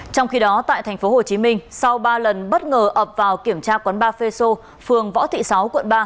trong khi đó tại tp hcm sau ba lần bất ngờ ập vào kiểm tra quán ba feso phường võ thị sáu quận ba